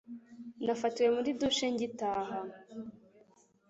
nafatiwe muri douche ngitaha